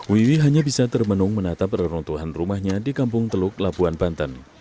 wiwi hanya bisa termenung menatap reruntuhan rumahnya di kampung teluk labuan banten